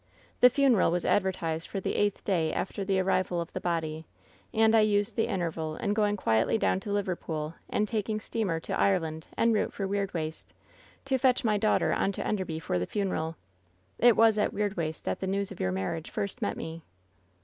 The funeral was advertised for the eighth day after the arrival of the body, and I used the interval in going quietly down to Liverpool and taking steamer to Ireland en route for Weirdwaste, to fetch my daughter on to Enderby for the funeral. It was at Weirdwaste that the news of your marriage first met me.'